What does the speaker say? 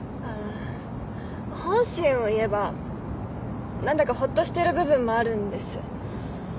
本心を言えば何だかほっとしてる部分もあるんです。